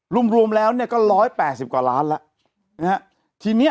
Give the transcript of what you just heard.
รวมรวมแล้วเนี่ยก็ร้อยแปดสิบกว่าล้านแล้วนะฮะทีเนี้ย